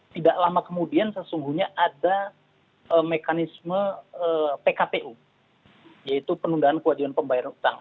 tidak lama kemudian sesungguhnya ada mekanisme pkpu yaitu penundaan kewajiban pembayaran utang